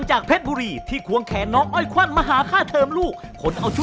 จะต่อยแหลกเลย